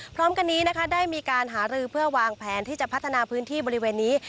พร้อมกันนี้นะคะได้มีการหารือเพื่อวางแผนที่จะพัฒนาพื้นที่บริเวณนี้